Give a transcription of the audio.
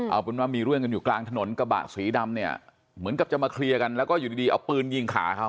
เอาเป็นว่ามีเรื่องกันอยู่กลางถนนกระบะสีดำเนี่ยเหมือนกับจะมาเคลียร์กันแล้วก็อยู่ดีเอาปืนยิงขาเขา